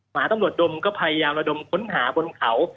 หมาตำรวจดมก็พยายามระดมค้นหาบนเขา